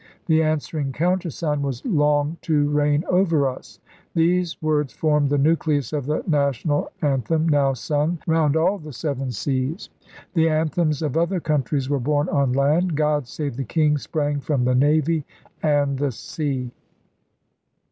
The answering countersign was Long to reign over us! These words formed the nucleus of the national anthem now sung round all the Seven Seas. The anthems of other countries were born on land. God save the King ! sprang from the navy and the sea.